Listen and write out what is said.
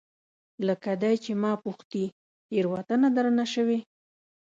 لکه دی چې ما پوښتي، تیروتنه درنه شوې؟